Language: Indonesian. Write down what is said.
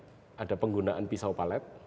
secara teknis ada penggunaan pisau palet